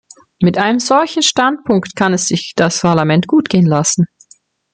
Mit einem solchen Standpunkt kann es sich das Parlament gut gehen lassen.